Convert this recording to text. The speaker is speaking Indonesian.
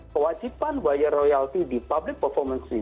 kewajiban bayar royalty di public performance